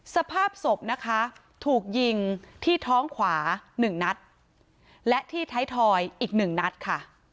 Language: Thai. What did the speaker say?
สภาพศพนะคะถูกยิงที่ท้องขวา๑นัดและที่ไทยทอยอีกหนึ่งนัดค่ะ